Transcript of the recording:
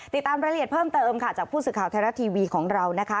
ติดตามรายละเอียดเพิ่มเติมค่ะจากผู้สื่อข่าวไทยรัฐทีวีของเรานะคะ